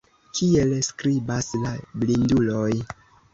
Kiel skribas la blinduloj?